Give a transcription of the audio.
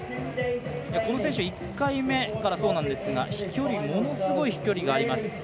この選手１回目からそうなんですがものすごい飛距離があります。